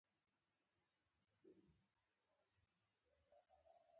د مشخصو اندازو څارنې او څېړنې عمل ته د اندازې کنټرول وایي.